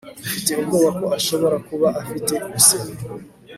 mfite ubwoba ko ashobora kuba afite ibisebe